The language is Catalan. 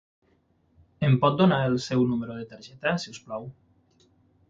Em pot donar el seu número de targeta si us plau?